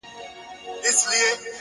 ته مور؛ وطن او د دنيا ښكلا ته شعر ليكې؛